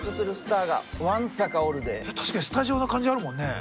確かにスタジオの感じあるもんね。